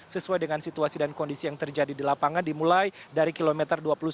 sesuai dengan situasi dan kondisi yang terjadi di lapangan dimulai dari kilometer dua puluh satu